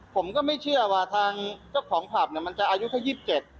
ผมก็ไม่เชื่อว่าทางเจ้าของผลัพธ์มันจะอายุแค่๒๗